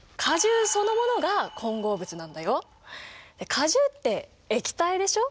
果汁って液体でしょ？